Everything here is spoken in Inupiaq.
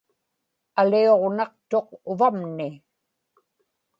aliuġnaqtuq uvamni